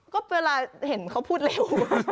ก็เวลาเห็นเขาพูดเร็ว